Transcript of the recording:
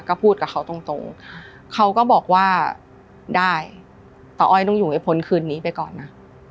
ก็พูดกับเขาตรงเขาก็บอกว่าได้ตาอ้อยต้องอยู่ให้พ้นคืนนี้ไปก่อนนะ